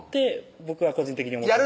僕は個人的に思ってます